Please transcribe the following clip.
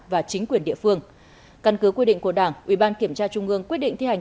và chính quyền địa phương căn cứ quy định của đảng ủy ban kiểm tra trung ương quyết định thi hành